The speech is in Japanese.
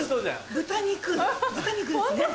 豚肉ですね先生。